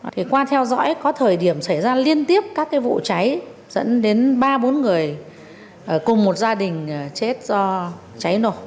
thì qua theo dõi có thời điểm xảy ra liên tiếp các cái vụ cháy dẫn đến ba bốn người cùng một gia đình chết do cháy nổ